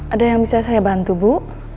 ada yang bisa saya bantu bu